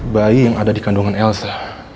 bayi yang ada di kandungan elsa